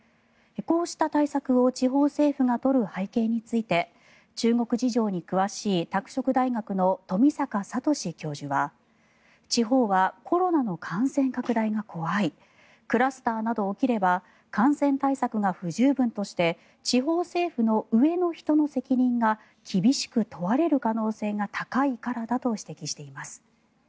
こうした対策を地方政府が取る背景について中国事情に詳しい拓殖大学の富坂聰教授は地方はコロナの感染拡大が怖いクラスターなど起きれば感染対策が不十分として地方政府の上の人の責任が厳しく問われる可能性が高いからだと指摘しています。